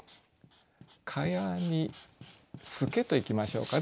「蚊帳に透け」といきましょうかね。